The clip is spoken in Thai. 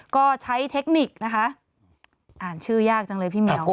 ก็ใช้เทคนิคนะคะอ่านชื่อยากจังเลยพี่เหมียว